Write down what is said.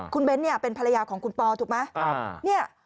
คุณเบ้นเป็นภรรยาของคุณปอถูกไหม